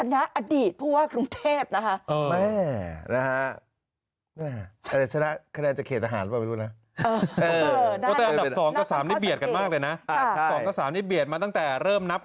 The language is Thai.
แนนผู้ว่ากรุงเทพ